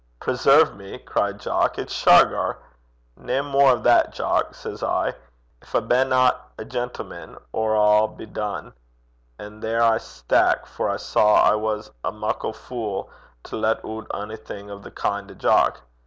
"Preserve me!" cried Jock, "it's Shargar." "Nae mair o' that, Jock," says I. "Gin I bena a gentleman, or a' be dune," an' there I stack, for I saw I was a muckle fule to lat oot onything o' the kin' to Jock.